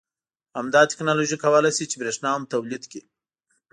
همدا تکنالوژي کولای شي چې بریښنا هم تولید کړي